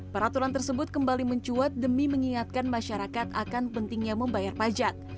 peraturan tersebut kembali mencuat demi mengingatkan masyarakat akan pentingnya membayar pajak